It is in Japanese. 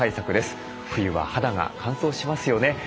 冬は肌が乾燥しますよね。